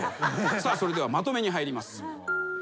さあそれではまとめに入ります。